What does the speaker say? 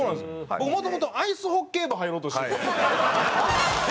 僕もともとアイスホッケー部入ろうとしてて。